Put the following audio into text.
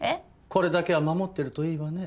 これだけは守ってるといいわね。